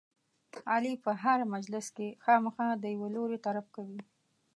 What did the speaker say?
علي په هره مجلس کې خامخا د یوه لوري طرف کوي.